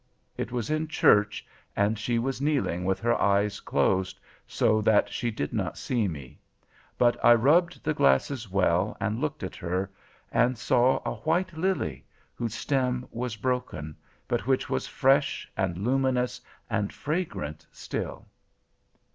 It was in church, and she was kneeling with her eyes closed, so that she did not see me. But I rubbed the glasses well, and looked at her, and saw a white lily, whose stem was broken, but which was fresh; and luminous, and fragrant, still."